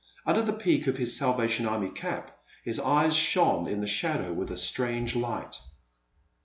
Under the peak of his Salvation Army cap his eyes shone in the shadow with a strange light.